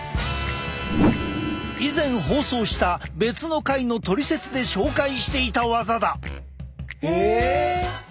以前放送した別の回のトリセツで紹介していた技だ！え！